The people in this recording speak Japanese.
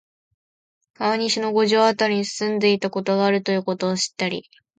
川西の五条あたりに住んでいたことがあるということを知ったり、